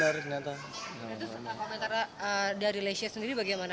nah itu komentarnya dari lesya sendiri bagaimana